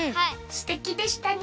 すてきでしたね。